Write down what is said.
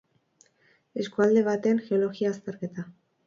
Eskualde baten geologia-azterketa.